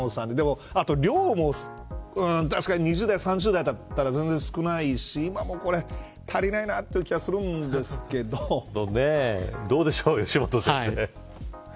あと量も、確かに２０代３０代だったら全然少ないし今もこれ足りないなという気がどうでしょう、吉本先生。